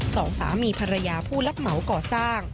สองสามีภรรยาผู้รับเหมาก่อสร้าง